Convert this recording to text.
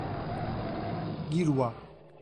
Giruá